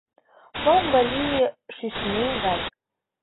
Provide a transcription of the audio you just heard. Шоҥжо лие шӱшмӱй гай.